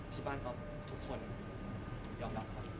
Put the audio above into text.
ที่บ้านก็ทุกคนยอมรับครับ